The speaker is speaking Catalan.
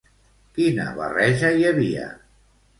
Quina barreja hi havia?